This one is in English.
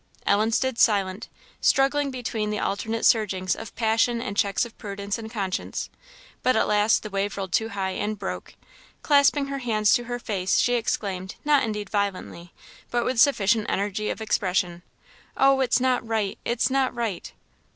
Ellen stood silent, struggling between the alternate surgings of passion and checks of prudence and conscience. But at last the wave rolled too high, and broke. Clasping her hands to her face, she exclaimed, not indeed violently, but with sufficient energy of expression, "Oh, it's not right! it's not right!"